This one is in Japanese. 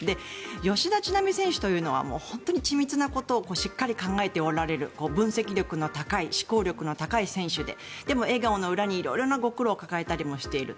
吉田知那美選手というのは緻密なことを本当に考えておられる分析力の高い思考力の高い選手ででも笑顔の裏に色々なご苦労を抱えたりしている。